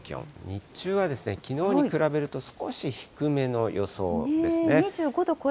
日中はきのうに比べると、少し低めの予想ですね。